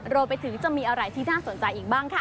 รวมไปถึงจะมีอะไรที่น่าสนใจอีกบ้างค่ะ